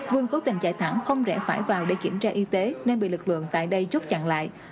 vương cố tình chạy thẳng không rẽ phải vào để kiểm tra y tế nên bị lực lượng tại đây chốt chặn lại